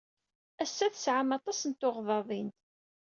Ass-a, tesɛam aṭas n tuɣdaḍin.